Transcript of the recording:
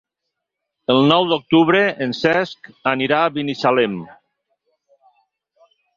El nou d'octubre en Cesc anirà a Binissalem.